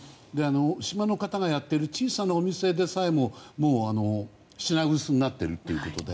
島の方がやっている小さなお店でさえももう、品薄になっているということで。